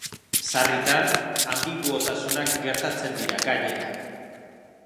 Sarritan, anbiguotasunak gertatzen dira, gainera.